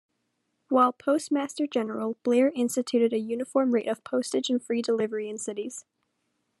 While Postmaster-General, Blair instituted a uniform rate of postage and free delivery in cities.